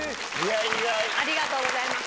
ありがとうございます。